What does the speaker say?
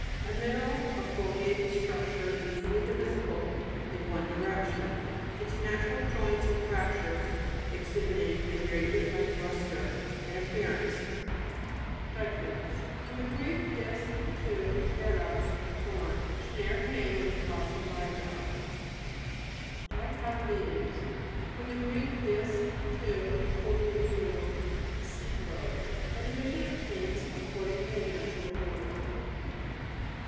A mineral of foliated struc ture easrly divisible in one direction, its natural joints and fractures ex hibiting a very different lustre and appearance. DICE' HAS fr. gr. dis, two, keras, horn. Generic name of a fossil bi valve (p. 64, fig. 106). DICOTY'LEDONS fr. gr. dis, two, kotuledon, seed lobe. A division of plants, according to the Natural Order.